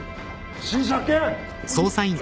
不審者発見！